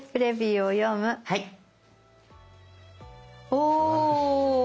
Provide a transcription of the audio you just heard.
お！